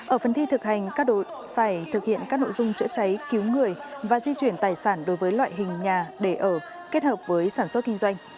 ở phần thi thực hành các đội phải thực hiện các nội dung chữa cháy cứu người và di chuyển tài sản đối với loại hình nhà để ở kết hợp với sản xuất kinh doanh